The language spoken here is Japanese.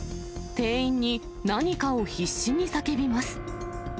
店員に何かを必死に叫びます。